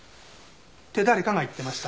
って誰かが言ってました。